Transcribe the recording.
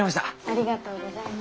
ありがとうございます。